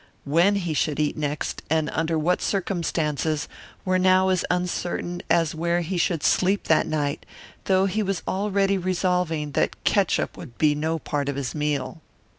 When he should eat next and under what circumstances were now as uncertain as where he should sleep that night, though he was already resolving that catsup would be no part of his meal.